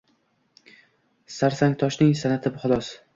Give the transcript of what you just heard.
sangtaroshning sanʼati holos.